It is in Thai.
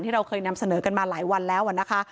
เราเคยนำเสนอกันมาหลายวันแล้วนะคะ